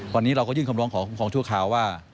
วันนี้เราก็ยื่นคำร้องขอคุ้มครองชั่วคราวว่า